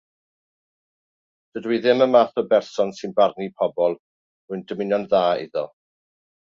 Dydw i ddim y math o berson sy'n barnu pobl, rwy'n dymuno'n dda iddo.